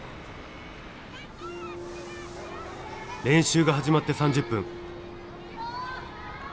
練習が始まって３０分。